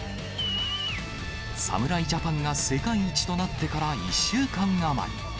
侍ジャパンが世界一となってから１週間余り。